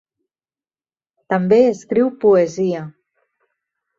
També escriu poesia.